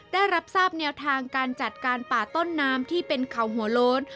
ได้รับทราบแนวทางการจัดการป่าต้นน้ำที่เป็นเขาหัวโล้น